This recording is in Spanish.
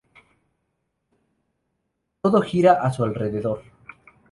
Todo gira a su alrededor.